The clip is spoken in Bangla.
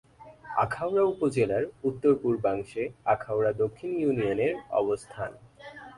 আখাউড়া উপজেলার উত্তর-পূর্বাংশে আখাউড়া দক্ষিণ ইউনিয়নের অবস্থান।